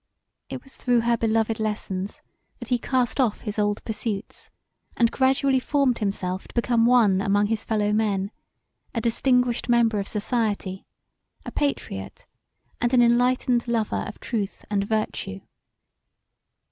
It was through her beloved lessons that he cast off his old pursuits and gradually formed himself to become one among his fellow men; a distinguished member of society, a Patriot; and an enlightened lover of truth and virtue.